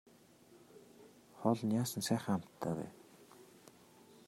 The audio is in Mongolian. Хоол нь яасан сайхан амттай вэ.